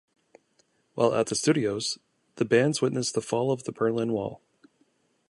While at the studios, the band witnessed the Fall of The Berlin Wall.